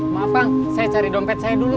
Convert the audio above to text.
maaf bang saya cari dompet saya dulu